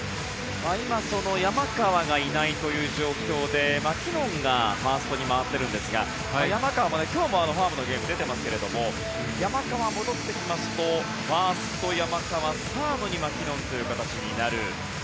今、山川がいないという状況でマキノンがファーストに回っているんですが山川は今日もファームのゲームに出てますが山川が戻ってきますとファースト、山川サードにマキノンという形になる。